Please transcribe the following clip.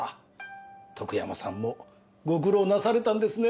徳山さんもご苦労なされたんですねえ。